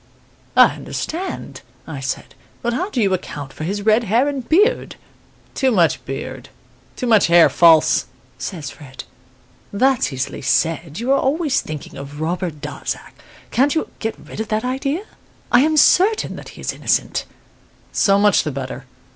"'I understand,' I said; 'but how do you account for his red hair and beard?' "'Too much beard too much hair false,' says Fred. "'That's easily said. You are always thinking of Robert Darzac. You can't get rid of that idea? I am certain that he is innocent.' "'So much the better.